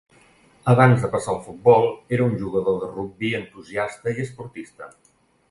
Abans de passar al futbol, era un jugador de rugbi entusiasta i esportista.